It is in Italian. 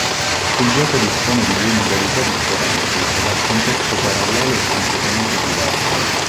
Il gioco dispone di due modalità differenti e dal contesto parallelo e completamente diverso.